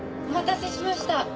お待たせしました。